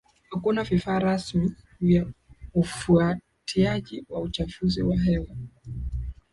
hakuna vifaa rasmi vya ufuatiaji wa uchafuzi wa hewa